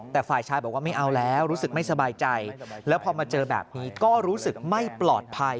แต่ฝ่ายชายบอกว่าไม่เอาแล้วรู้สึกไม่สบายใจแล้วพอมาเจอแบบนี้ก็รู้สึกไม่ปลอดภัย